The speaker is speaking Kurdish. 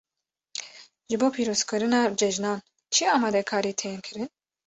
Ji bo pîrozkirina cejnan çi amadekarî tên kirin?